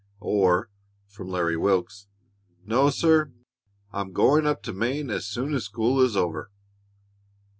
or, from Larry Wilks, "No, sir; I'm going up to Maine as soon as school is over."